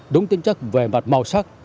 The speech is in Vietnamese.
đúng tính chất về mặt màu sắc